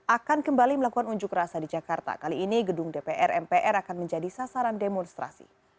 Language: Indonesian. akan kembali melakukan unjuk rasa di jakarta kali ini gedung dpr mpr akan menjadi sasaran demonstrasi